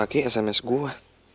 saki sms gua